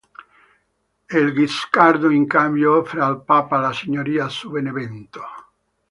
Il "Guiscardo", in cambio, offre al Papa la Signoria su Benevento.